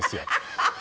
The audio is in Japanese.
ハハハハ！